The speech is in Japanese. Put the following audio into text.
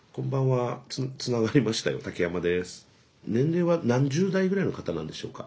年齢は何十代ぐらいの方なんでしょうか？